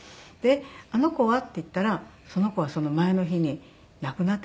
「あの子は？」って言ったらその子はその前の日に亡くなってたわけですね。